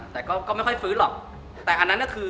แต่ก็ไม่ค่อยฟื้นหรอก